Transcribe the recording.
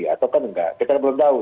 atau kan enggak kita belum tahu